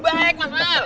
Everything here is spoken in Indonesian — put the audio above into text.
baik mas al